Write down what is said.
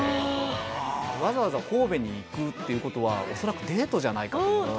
わざわざ神戸に行くっていう事は恐らくデートじゃないかと思って。